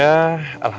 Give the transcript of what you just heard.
ya mudah mudahan ya